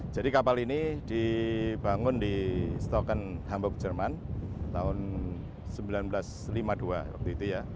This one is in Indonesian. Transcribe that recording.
jadi kapal ini dibangun di stalken hamburg jerman tahun seribu sembilan ratus lima puluh dua waktu itu ya